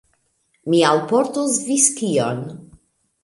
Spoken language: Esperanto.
Mi alportos viskion.